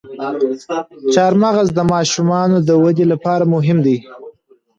چارمغز د ماشومانو د ودې لپاره مهم دی.